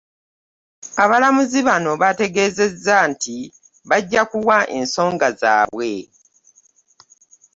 Abalamuzi bano bategeezezza nti bajja kuwa ensonga zaabwe